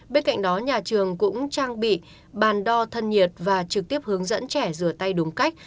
bên cạnh đó nhà trường cũng trang bị bàn đo thân nhiệt và trực tiếp hướng dẫn trẻ rửa tay đúng cách